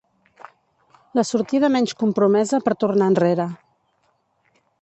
La sortida menys compromesa per tornar enrere.